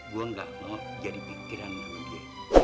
gue gak mau jadi pikiran sama dia